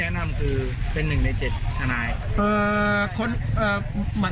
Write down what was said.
แต่เขาเป็นคนที่แนะนำคือเป็นหนึ่งในเจ็ดทนาย